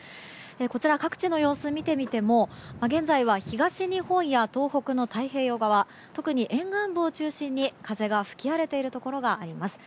こちら、各地の様子を見てみても現在は東日本や東北の太平洋側特に沿岸部を中心に風が吹き荒れているところがあります。